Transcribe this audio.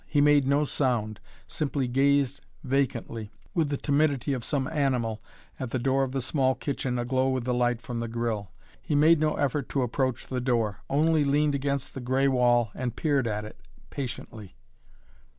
He made no sound simply gazed vacantly, with the timidity of some animal, at the door of the small kitchen aglow with the light from the grill. He made no effort to approach the door; only leaned against the gray wall and peered at it patiently.